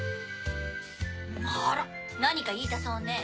あら何か言いたそうね？